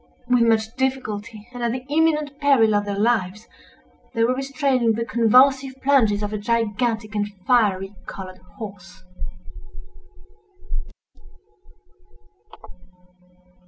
With much difficulty, and at the imminent peril of their lives, they were restraining the convulsive plunges of a gigantic and fiery colored horse.